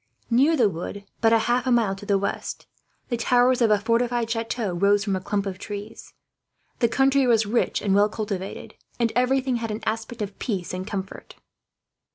Nearer the wood, but half a mile to the west, the towers of a fortified chateau rose from a clump of trees. The country was rich and well cultivated, and everything had an aspect of peace and comfort.